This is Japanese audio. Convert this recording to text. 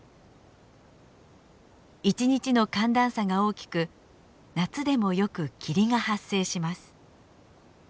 一日の寒暖差が大きく夏でもよく霧が発生します。